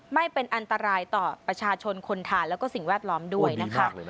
ไม่เป็นอันตรายต่อประชาชนคนทานแล้วก็สิ่งแวดล้อมด้วยนะคะ